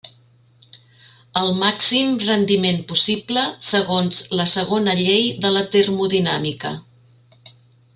El màxim rendiment possible segons la segona llei de la termodinàmica.